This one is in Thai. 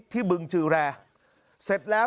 บึงจือแรเสร็จแล้ว